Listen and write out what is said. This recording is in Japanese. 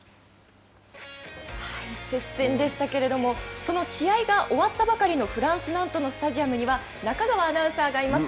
接戦でしたけれども、その試合が終わったばかりのフランス・ナントのスタジアムには、中川アナウンサーがいます。